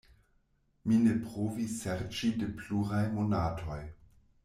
Mi ne provi serĉi de pluraj monatoj.